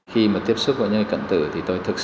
khi mà tiếp xúc với nhà cận tử thì tôi thực sự